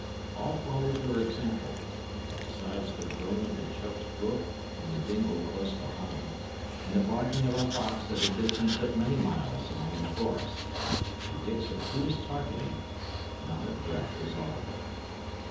All followed her example; but besides the groans of the choked brook in the dingle close behind, and the barking of a fox at a distance of many miles among the forest, to Dick's acutest hearkening, not a breath was audible.